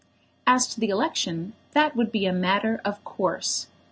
As to the election, that would be a matter of course.